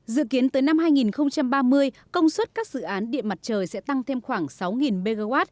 dự kiến tới năm hai nghìn ba mươi công suất các dự án điện mặt trời sẽ tăng thêm khoảng sáu mw